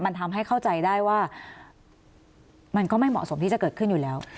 มันทำให้เข้าใจได้ว่ามันก็ไม่เหมาะสมที่จะเกิดขึ้นอยู่แล้ว